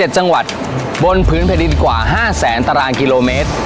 ๗จังหวัดบนพื้นแผ่นดินกว่า๕แสนตารางกิโลเมตร